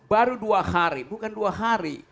baru dua hari bukan dua hari